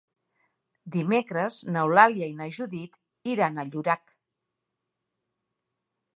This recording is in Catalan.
Dimecres n'Eulàlia i na Judit iran a Llorac.